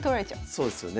そうですよね。